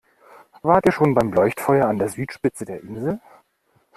Wart ihr schon beim Leuchtfeuer an der Südspitze der Insel?